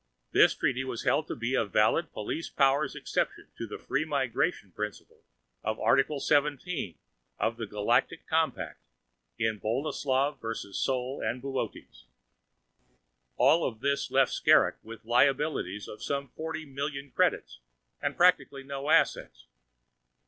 This treaty was held to be a valid police powers exception to the "Free Migration" principle of Article 17 of the Galactic Compact in Boleslaw v. Sol and Boötes. All this left Skrrgck with liabilities of some forty million credits and practically no assets.